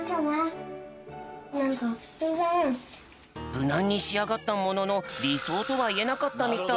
ぶなんにしあがったもののりそうとはいえなかったみたい。